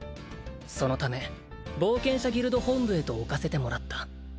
「そのため冒険者ギルド本部へと置かせてもらった」